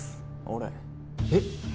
俺えっ？